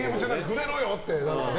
触れろよって。